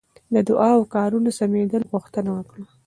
د دعا او کارونو سمېدلو غوښتنه وکړه.